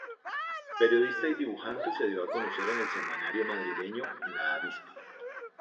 Periodista y dibujante, se dio a conocer en el semanario madrileño "La Avispa".